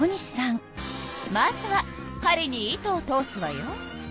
まずは針に糸を通すわよ。